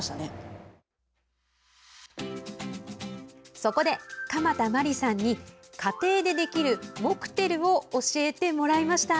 そこで鎌田真理さんに家庭でできるモクテルを教えてもらいました。